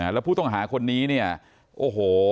แล้วผู้ต้องหาคนนี้เนี่ยโอ้โห